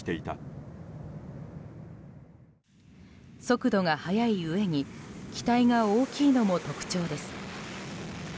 速度が速いうえに機体が大きいのも特徴です。